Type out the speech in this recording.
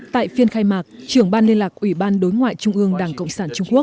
tại phiên khai mạc trưởng ban liên lạc ủy ban đối ngoại trung ương đảng cộng sản trung quốc